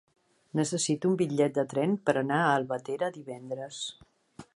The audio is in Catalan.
Necessito un bitllet de tren per anar a Albatera divendres.